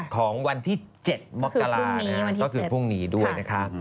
ของวันที่๗มกราก็คือพรุ่งนี้ด้วยนะคะ